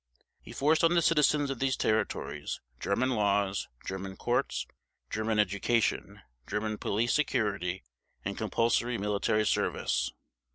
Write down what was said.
He forced on the citizens of these territories, German law, German courts, German education, German police security, and compulsory military service.